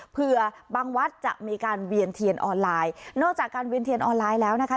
บางวัดจะมีการเวียนเทียนออนไลน์นอกจากการเวียนเทียนออนไลน์แล้วนะคะ